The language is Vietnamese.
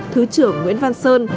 thứ trưởng nguyễn văn sơn